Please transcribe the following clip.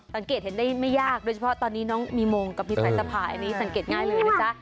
สังเกตเห็นได้ไม่ยากโดยเฉพาะตอนนี้น้องมีมงกับพี่สายสภาอันนี้สังเกตง่ายเลยนะจ๊ะ